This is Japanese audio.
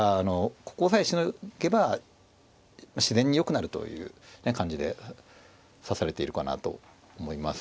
ここさえしのげば自然によくなるという感じで指されているかなと思います。